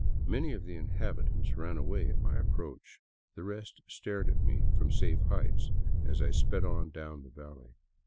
Many of the inhabitants ran away at my approach; the rest stared at me from safe heights as I sped on down the valley.